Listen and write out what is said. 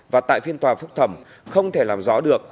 và tại phiên tòa phúc thẩm không thể làm rõ được